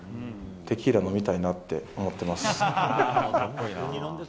テキーラ飲みたいなって思ってます。